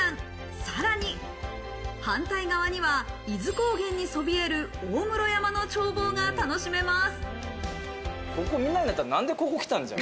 さらに、反対側には伊豆高原にそびえる大室山の眺望が楽しめます。